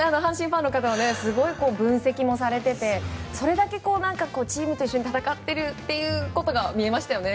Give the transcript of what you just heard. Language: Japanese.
すごい分析もされていてそれだけチームと一緒に戦っているということが見えましたよね。